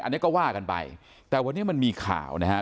อันนี้ก็ว่ากันไปแต่วันนี้มันมีข่าวนะฮะ